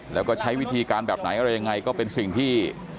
แล้วก็ใช้วิธีการแบบไหนอะไรยังไงก็เป็นสิ่งที่